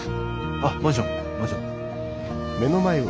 あっマンションマンション。